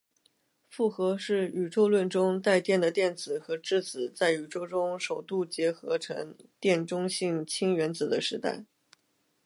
复合是宇宙论中带电的电子和质子在宇宙中首度结合成电中性氢原子的时代。